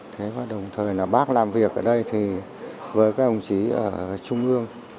thế và đồng thời là bác làm việc ở đây thì với các đồng chí ở trung ương